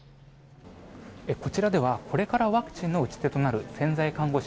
こちらではこれからワクチンの打ち手となる潜在看護師